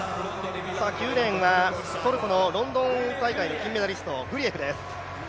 ９レーンはトルコのロンドン大会の金メダリスト、グリエフです